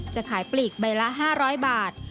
จะขายปลีกใบละ๕๐๐บาท